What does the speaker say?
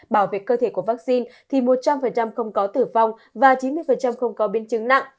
bảo vệ cơ thể của vaccine thì một trăm linh không có tử vong và chín mươi không có biến chứng nặng